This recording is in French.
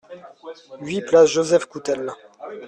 huit place Joseph Coutel